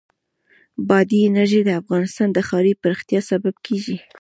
بادي انرژي د افغانستان د ښاري پراختیا سبب کېږي.